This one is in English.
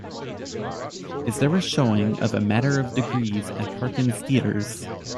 Is there a showing of A Matter of Degrees at Harkins Theatres